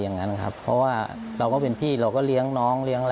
ผมเข้าใจว่าเพื่อที่จะ